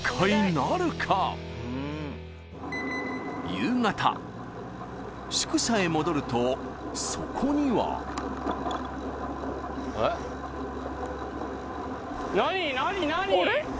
夕方宿舎へ戻るとそこには何何何？